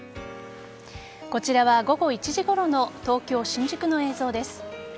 こちらが午後１時ごろの東京・新宿の映像です。